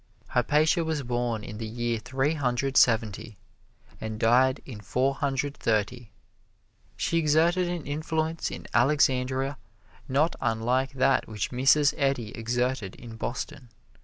Hypatia was born in the year Three Hundred Seventy, and died in Four Hundred Thirty. She exerted an influence in Alexandria not unlike that which Mrs. Eddy exerted in Boston.